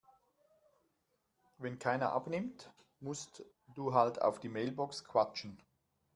Wenn keiner abnimmt, musst du halt auf die Mailbox quatschen.